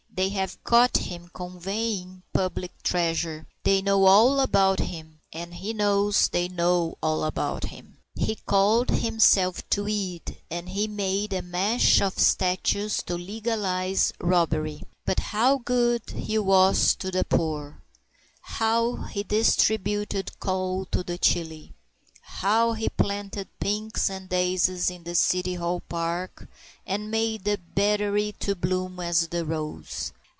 They have caught him "conveying" public treasure. They know all about him, and he knows that they know all about him. He called himself Tweed, and he made a mesh of statutes to legalize robbery. But how good he was to the poor! How he distributed coal to the chilly! How he planted pinks and daisies in the City Hall Park, and made the Battery to bloom as the rose!